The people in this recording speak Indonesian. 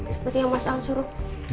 seperti yang mas al suruh